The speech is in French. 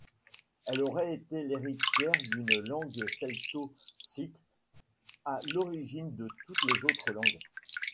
Elle aurait été l'héritière d'une langue celto-scythe à l'origine de toutes les autres langues.